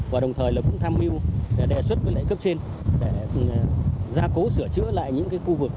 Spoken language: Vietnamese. và đồng thời là cũng tham mưu đề xuất với lại cấp trên để gia cố sửa chữa lại những khu vực